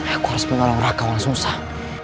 aku harus mengolong raka walau susah